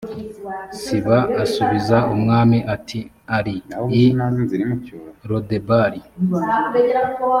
siba asubiza umwami ati ari i lodebari